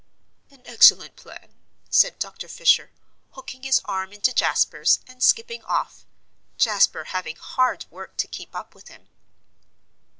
"An excellent plan," said Dr. Fisher, hooking his arm into Jasper's and skipping off, Jasper having hard work to keep up with him.